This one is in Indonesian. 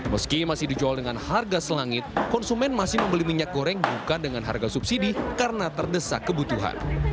meski masih dijual dengan harga selangit konsumen masih membeli minyak goreng bukan dengan harga subsidi karena terdesak kebutuhan